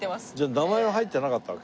名前は入ってなかったわけ？